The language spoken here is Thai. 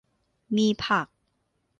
มีผัก